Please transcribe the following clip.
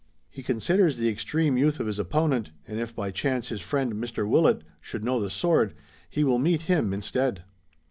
He considers the extreme youth of his opponent, and if by chance his friend, Mr. Willet, should know the sword, he will meet him instead."